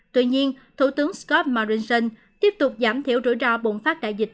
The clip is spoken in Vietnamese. tuy nhiên thủ tướng scott morrison tiếp tục giảm thiểu rủi ro bùng phát đại dịch